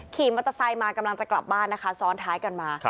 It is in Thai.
ขี่มอเตอร์ไซค์มากำลังจะกลับบ้านนะคะซ้อนท้ายกันมา